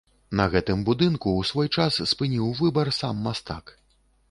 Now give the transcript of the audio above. На гэтым будынку ў свой час спыніў выбар сам мастак.